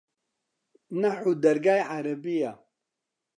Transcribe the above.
نەحوو دەرگای عەرەبییە